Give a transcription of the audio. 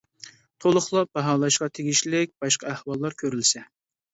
تولۇقلاپ باھالاشقا تېگىشلىك باشقا ئەھۋاللار كۆرۈلسە.